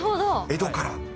江戸から。